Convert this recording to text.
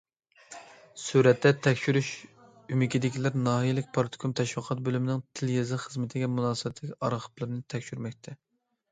سۈرەتتە: تەكشۈرۈش ئۆمىكىدىكىلەر ناھىيەلىك پارتكوم تەشۋىقات بۆلۈمىنىڭ تىل- يېزىق خىزمىتىگە مۇناسىۋەتلىك ئارخىپلىرىنى تەكشۈرمەكتە.